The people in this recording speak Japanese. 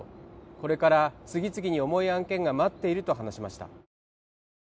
これから次々に重い案件が待っていると話しました